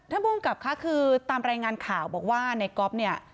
ภูมิกับค่ะคือตามรายงานข่าวบอกว่าในก๊อฟเนี่ย